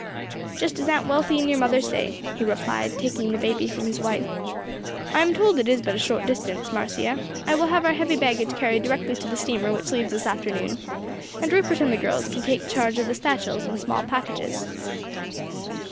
"Just as Aunt Wealthy and your mother say," he replied, taking the baby from his wife. "I am told it is but a short distance, Marcia; I will have our heavy baggage carried directly to the steamer which leaves this afternoon; and Rupert and the girls can take charge of the satchels and small packages."